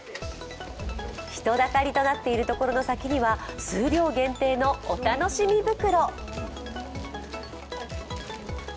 人だかりとなっているところの先には、数量限定のお楽しみ袋。